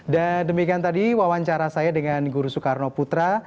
dan demikian tadi wawancara saya dengan guru soekarno putra